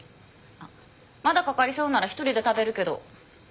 あっまだかかりそうなら１人で食べるけど。